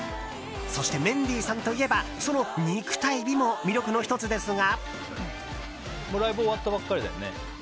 そしてメンディーさんといえばその肉体美も魅力の１つですが。